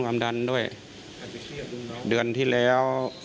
เมื่อเดือนที่แล้ว